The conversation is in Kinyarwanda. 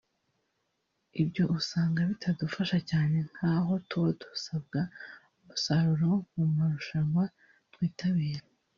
Ibyo usanga bitadufasha cyane nk’aho tuba dusabwa umusaruro mu marushanwa twitabira